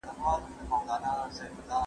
پل جوړ کړئ.